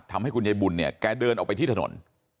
ทำให้คุณยายบุญเนี่ยแกเดินออกไปที่ถนน